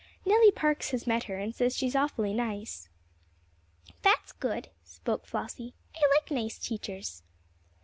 Nellie Parks has met her, and says she's awfully nice." "That's good," spoke Flossie. "I like nice teachers."